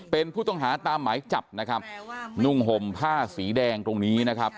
เป็นผู้ต้องหาตามหมายจับนะครับนุ่งห่มผ้าสีแดงตรงนี้นะครับ